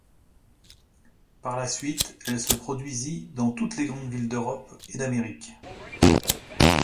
Par la suite, elle se produisit dans toutes les grandes villes d'Europe et d'Amérique.